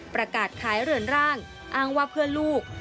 ประกาศขายเรือนร่างอ้างว่าเพื่อนลูก